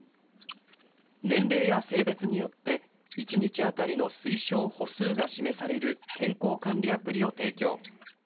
年齢や性別によって、１日当たりの推奨歩数が示される健康管理アプリを提供。